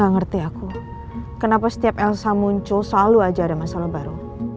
ngerti aku kenapa setiap elsa muncul selalu aja ada masalah baru